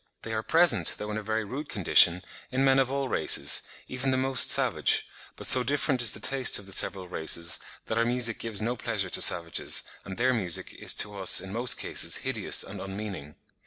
They are present, though in a very rude condition, in men of all races, even the most savage; but so different is the taste of the several races, that our music gives no pleasure to savages, and their music is to us in most cases hideous and unmeaning.